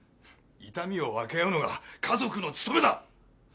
痛みを分け合うのが家族の務めだ。